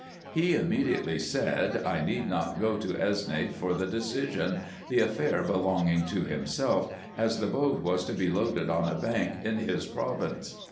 He immediately said, I need not go to Esne for the decision, the affair belonging to himself, as the boat was to be loaded on a bank in his province.